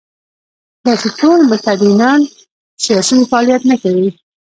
دا چې ټول متدینان سیاسي فعالیت نه کوي.